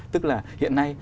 tức là hiện nay